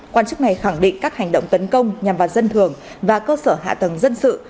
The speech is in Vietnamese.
quan chức này khẳng định các hành động tấn công nhằm vào dân thường và cơ sở hạ tầng dân sự